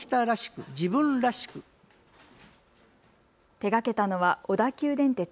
手がけたのは小田急電鉄。